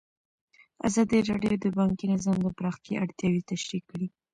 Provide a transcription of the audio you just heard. ازادي راډیو د بانکي نظام د پراختیا اړتیاوې تشریح کړي.